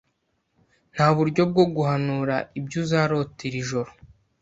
Nta buryo bwo guhanura ibyo uzarota iri joro.